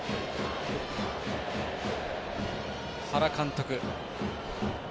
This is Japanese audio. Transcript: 原監督。